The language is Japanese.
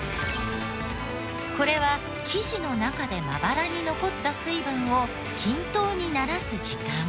これは生地の中でまばらに残った水分を均等にならす時間。